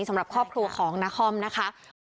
สำหรับครอบครัวของนาคอมนะคะ